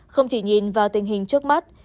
không chỉ nhìn vào tình hình trước mắt